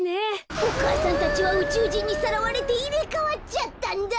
お母さんたちはうちゅうじんにさらわれていれかわっちゃったんだ！